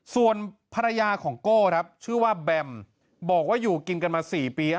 ส่วนภรรยาของโก้ครับชื่อว่าแบมบอกว่าอยู่กินกันมา๔ปี